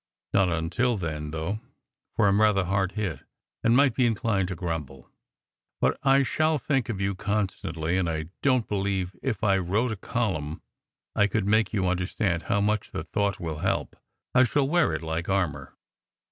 Not until then though, for I m rather hard hit, and might be inclined to grumble. But I shall think of you constantly, and I don t believe if I wrote a volume I could make you understand how much the thought will help. I shall wear it like armour."